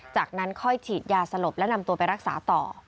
จากนั้นค่อยฉีดยาสลบและนำตัวไปรักษาต่อ